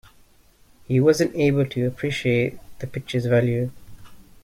He wasn't able to appreciate the picture’s value.